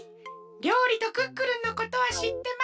りょうりとクックルンのことはしってます。